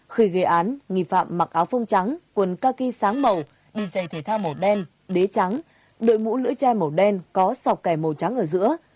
khi gây án nghi phạm mặc áo phông trắng quần khaki sáng màu đi chạy thể thao màu đen đế trắng đội mũ lưỡi chai màu đen có sọc kẻ màu trắng ở giữa